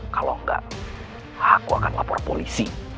kalau enggak aku akan lapor polisi